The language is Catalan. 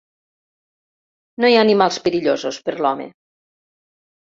No hi ha animals perillosos per l'home.